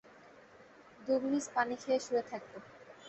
দুগ্নিাস পানি খেয়ে শুয়ে থাকবে।